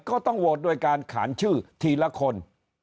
ก็ต้องโหวตด้วยการขานชื่อทีละคน